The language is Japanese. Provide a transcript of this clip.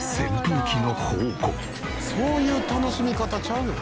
「そういう楽しみ方ちゃうよ」